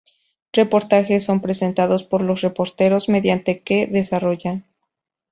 Reportajes son presentados por los reporteros mediante que desarrollan.